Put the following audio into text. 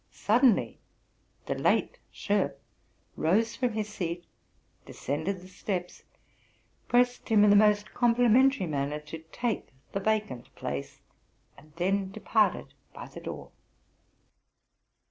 Suddenly the late Schoff rose from his seat, descended the steps, pressed him in the most complimentary manner to take the vacant place, and then departed by the door.